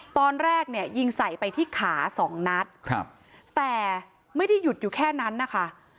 ตอนแรกยิงใส่ไปที่ขา๒นัดแต่ไม่ได้หยุดอยู่แค่นั้นนะคะ